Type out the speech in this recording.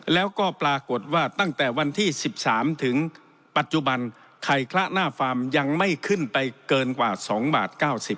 แล้วก็ปรากฏว่าตั้งแต่วันที่๑๓ถึงปัจจุบันไข่คละหน้าฟาร์มยังไม่ขึ้นไปเกินกว่า๒บาท๙๐บาท